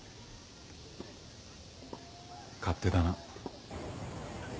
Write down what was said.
勝手だな。